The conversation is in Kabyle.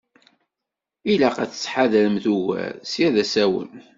Ilaq ad tettḥadaremt ugar, ssya d asawen.